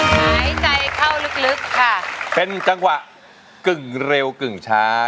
หายใจเข้าลึกค่ะเป็นจังหวะกึ่งเร็วกึ่งช้า